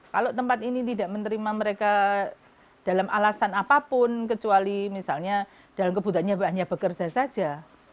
kalau tempat ini tidak menerima mereka dalam alasan apapun kecuali misalnya dalam kebutuhannya hanya bekerja saja